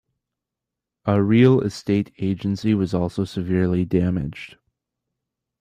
A real estate agency was also severely damaged.